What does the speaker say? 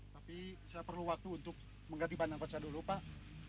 tapi saya perlu waktu untuk mengganti pandangan saya dulu pak